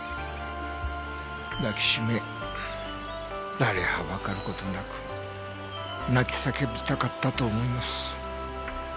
抱きしめ誰はばかる事なく泣き叫びたかったと思います。